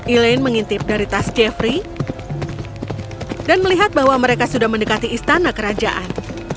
elaine mengintip dari tas jeffrey dan melihat bahwa mereka sudah mendekati istana kerajaan